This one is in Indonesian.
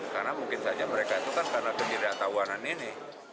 karena mungkin saja mereka itu kan karena kejirahat tawanan ini